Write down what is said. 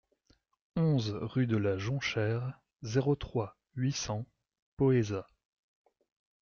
onze rue de la Jonchère, zéro trois, huit cents Poëzat